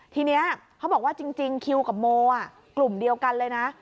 ทีนี้เขาบอกว่าจริงคิวกับโมกลุ่มเดียวกันเลยนะ